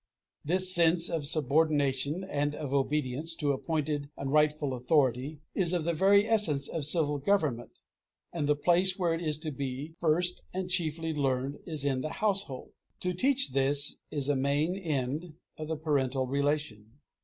This sense of subordination and of obedience to appointed and rightful authority, is of the very essence of civil government, and the place where it is to be first and chiefly learned is in the household. To teach this is a main end of the parental relation.